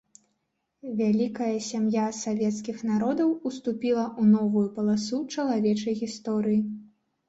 Вялікая сям'я савецкіх народаў уступіла ў новую паласу чалавечай гісторыі.